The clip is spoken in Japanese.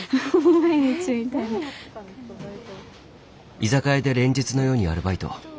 居酒屋で連日のようにアルバイト。